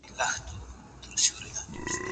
مور د ماشوم د ناروغۍ نښې ژر ويني.